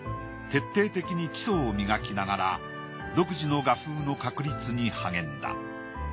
徹底的に基礎を磨きながら独自の画風の確立に励んだ。